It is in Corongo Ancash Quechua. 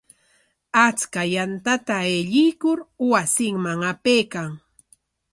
Achka yantata aylluykur wasinman apaykan.